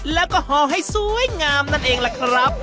แล้วก็ห่อให้สวยงามนั่นเองล่ะครับ